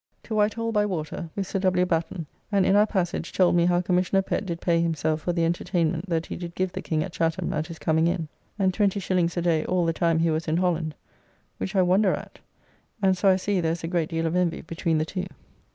To Whitehall by water with Sir W. Batten, and in our passage told me how Commissioner Pett did pay himself for the entertainment that he did give the King at Chatham at his coming in, and 20s. a day all the time he was in Holland, which I wonder at, and so I see there is a great deal of envy between the two.